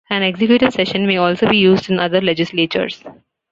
An executive session may also be used in other legislatures.